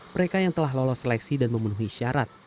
mereka yang telah lolos seleksi dan memenuhi syarat